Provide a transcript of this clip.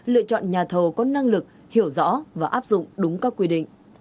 lựa chọn nhà thầu có năng lực hiểu rõ và áp dụng đúng các quy định